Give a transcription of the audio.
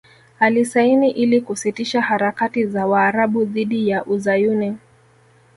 Alisaini ili kusitisha harakati za Waarabu dhidi ya Uzayuni